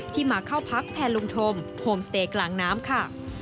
มาเข้าพักแทนลุงธมโฮมสเตย์กลางน้ำค่ะ